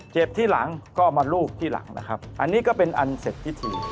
ที่หลังก็มารูปที่หลังนะครับอันนี้ก็เป็นอันเสร็จพิธี